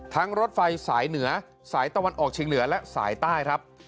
รถไฟสายเหนือสายตะวันออกเชียงเหนือและสายใต้ครับ